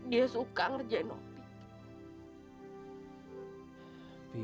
dia suka ngerjain opi